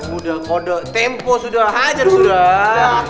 udah kode tempo sudah hajar sudah